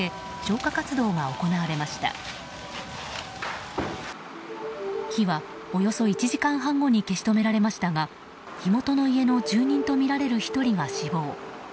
火はおよそ１時間半後に消し止められましたが火元の家の住人とみられる１人が死亡。